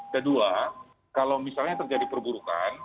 kedua kalau misalnya terjadi perburukan